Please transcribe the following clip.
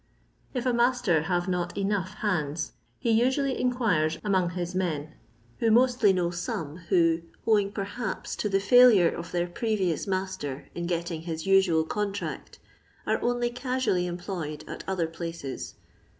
If a master have not enough " hands'* he usually inquires among his men, who mostly know some who — owing, perhaps, to the failure of their previous master in getting his usual contract — are only casually employeid at other places.